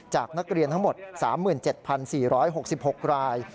จากนักเรียนทั้งหมด๓๗๔๖๖ราย